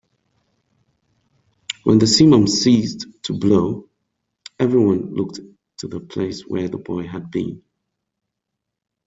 When the simum ceased to blow, everyone looked to the place where the boy had been.